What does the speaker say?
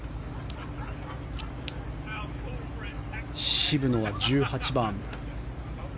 渋野は１８番。